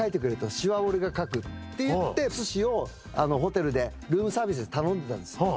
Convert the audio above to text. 詞は俺が書くって言って寿司をホテルでルームサービスで頼んでたんです。